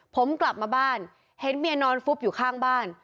ผมกลับมาบ้านเห็นเมียนอนฟุบอยู่ข้างบ้าน